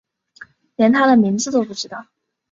连他的名字都不知道